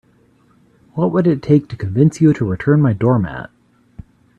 What would it take to convince you to return my doormat?